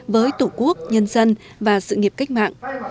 với tổ quốc nhân dân và sự nghiệp cách mạng